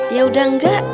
ya udah enggak